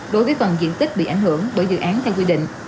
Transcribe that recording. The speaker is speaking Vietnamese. đối với phần diện tích bị ảnh hưởng bởi dự án theo quy định